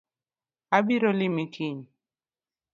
Abiro limi kiny